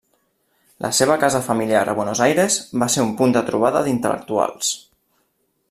La seva casa familiar a Buenos Aires va ser un punt de trobada d'intel·lectuals.